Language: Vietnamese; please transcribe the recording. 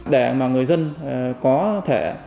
để mà người dân có thể